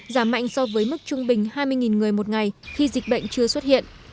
giảm mạnh so với mức trung bình hai mươi người một ngày khi dịch bệnh chưa xuất hiện